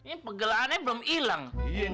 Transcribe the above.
ini pegelaannya belum inget